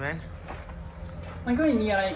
มันก็ไม่มีอะไรครับ